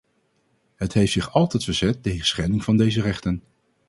Het heeft zich altijd verzet tegen schending van deze rechten.